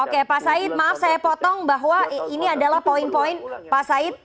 oke pak said maaf saya potong bahwa ini adalah poin poin pak said